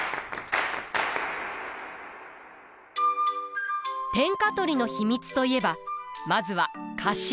天下取りの秘密といえばまずは家臣団。